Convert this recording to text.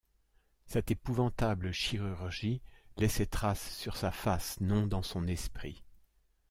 Cette épouvantable chirurgie laissait trace sur sa face, non dans son esprit.